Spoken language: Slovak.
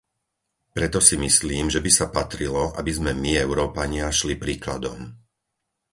Preto si myslím, že by sa patrilo, aby sme my, Európania, šli príkladom.